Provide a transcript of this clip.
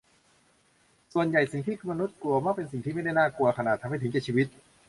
ส่วนใหญ่สิ่งที่มนุษย์กลัวมักเป็นสิ่งที่ไม่ได้น่ากลัวขนาดทำให้ถึงแก่ชีวิต